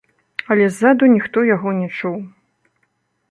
Але ззаду ніхто яго не чуў.